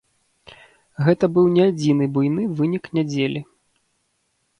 Гэта быў не адзіны буйны вынік нядзелі.